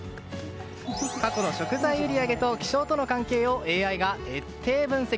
過去の食材の売り上げと気象との関係をＡＩが徹底分析。